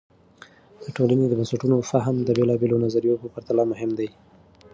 د ټولنې د بنسټونو فهم د بېلابیلو نظریو په پرتله مهم دی.